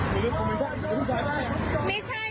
พี่ช่วยพันธุ์หน่อยดี